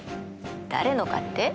誰のかって？